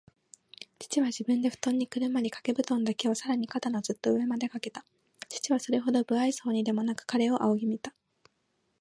父は自分でふとんにくるまり、かけぶとんだけをさらに肩のずっと上までかけた。父はそれほど無愛想そうにでもなく、彼を仰ぎ見た。